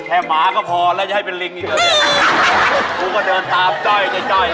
อ้าวมาตามกระจ้อยอยู่เลย